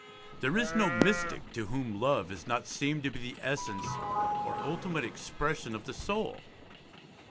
There is no mystic to whom love has not seemed to be the essence or ultimate expression of the soul.